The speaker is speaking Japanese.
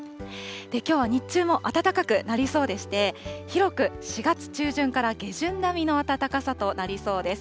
きょうは日中も暖かくなりそうでして、広く４月中旬から下旬並みの暖かさとなりそうです。